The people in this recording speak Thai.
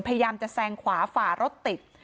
พยายามจะแซงขวาฝ่ารถติด